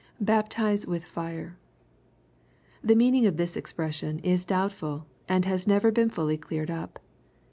[Baptize wilh fire.] The meaning of this expression is doubt ful, and has never been fully cleared up.